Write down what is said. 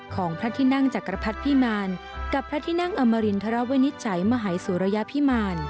ของพระที่นั่งจักรพรรดิพิมารกับพระที่นั่งอมรินทรวินิจฉัยมหายสุรยพิมาร